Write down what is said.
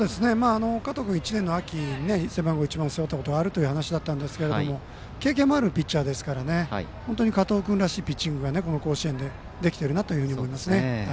加藤君１年の秋背番号１番を背負ったことがあるという話だったんですけど経験もあるピッチャーですから加藤君らしいピッチングがこの甲子園でできているなと思います。